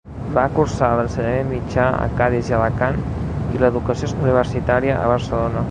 Va cursar l'ensenyament mitjà a Cadis i Alacant, i l'educació universitària a Barcelona.